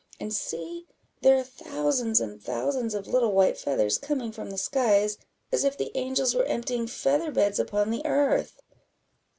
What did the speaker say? and see, there are thousands and thousands of little white feathers coming from the skies, as if the angels were emptying feather beds upon the earth."